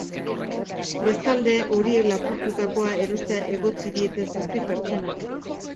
Bestalde, horiek lapurtutakoa erostea egotzi diete zazpi pertsonari.